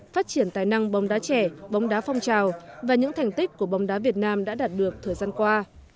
phát triển tài năng bóng đá trẻ bóng đá phong trào và những thành tích của bóng đá việt nam đã đạt được thời gian qua